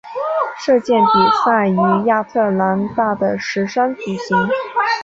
射箭比赛于亚特兰大的石山举行。